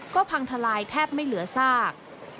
ก็พังทลายแทบไม่เหลือซาก